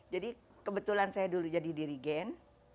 jadi kebetulan saya dulu jadi dirigen